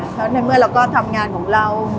แล้วในเมื่อเราก็ทำงานของเรา